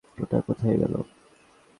ওটা কোথায় গেলো?